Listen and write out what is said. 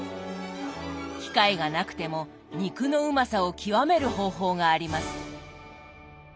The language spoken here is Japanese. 機械がなくても肉のうまさを極める方法があります。